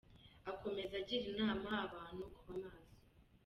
Akomeza agira inama abantu kuba maso.